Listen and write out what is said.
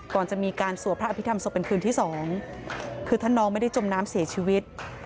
ก่อนจะมีการสวดพระอภิษฐรรศพเป็นคืนที่สองคือถ้าน้องไม่ได้จมน้ำเสียชีวิต